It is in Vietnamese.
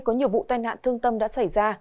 có nhiều vụ tai nạn thương tâm đã xảy ra